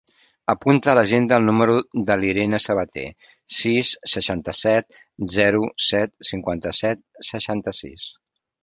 Apunta a l'agenda el número de l'Irene Sabater: sis, seixanta-set, zero, set, cinquanta-set, seixanta-sis.